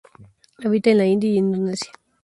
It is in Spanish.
Habita en la India y en Indonesia.